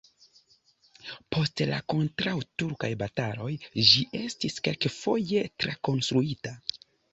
Post la kontraŭturkaj bataloj ĝi estis kelkfoje trakonstruita.